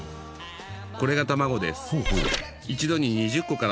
これが卵です。